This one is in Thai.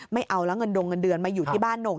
ไม่เอาแล้วเงินดงเงินเดือนมาอยู่ที่บ้านหน่ง